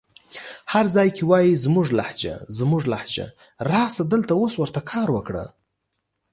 هر ځای کې وايې زموږ لهجه زموږ لهجه راسه دلته اوس ورته کار وکړه